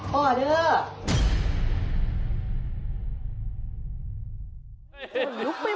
เห็นเขาว่าต้องเป็นห่วง